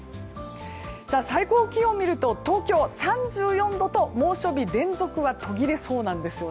最高気温を見ると東京、３４度と猛暑日連続は途切れそうです。